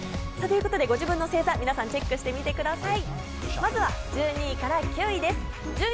ご自分の星座を皆さん、チェックしてみてください。